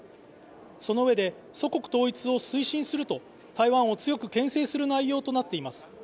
そのうえで、祖国統一を推進すると台湾を強くけん制する内容となつています。